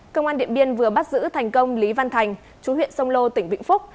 công an điện biên vừa bắt giữ thành công lý văn thành chú huyện sông lô tỉnh vĩnh phúc